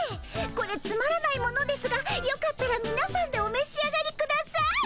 これつまらないものですがよかったらみなさんでおめし上がりください。